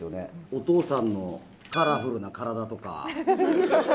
お父さんのカラフルな体とか。